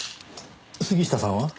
杉下さんは？